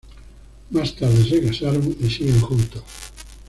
Más tarde se casaron, y siguen juntos.